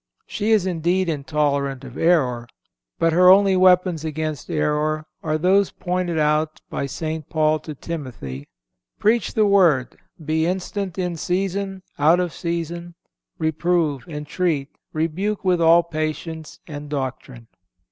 She is indeed intolerant of error; but her only weapons against error are those pointed out by St. Paul to Timothy: "Preach the word; be instant in season, out of season; reprove, entreat; rebuke with all patience and doctrine."